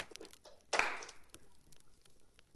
V ohradní zdi jsou výrazná vrata a štítová zeď sýpky.